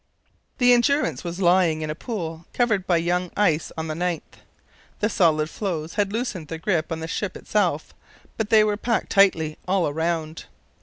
The Endurance was lying in a pool covered by young ice on the 9th. The solid floes had loosened their grip on the ship itself, but they were packed tightly all around.